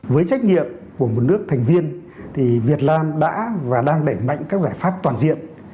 với trách nhiệm của một nước thành viên thì việt nam đã và đang đẩy mạnh các giải pháp toàn diện